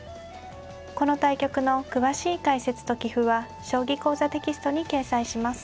この対局の詳しい解説と棋譜は「将棋講座」テキストに掲載します。